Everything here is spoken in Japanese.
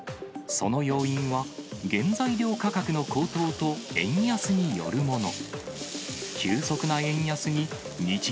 その要因は、原材料価格の高騰と、円安によるもの。